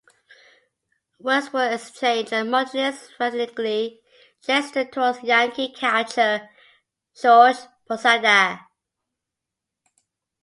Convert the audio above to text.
Words were exchanged and Martinez threateningly gestured towards Yankee catcher Jorge Posada.